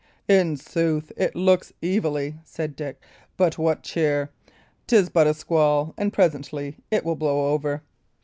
"In sooth, it looketh evilly," said Dick. "But what cheer! 'Tis but a squall, and presently it will blow over."